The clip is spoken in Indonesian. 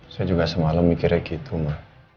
saya juga semalam mikirnya gitu mbak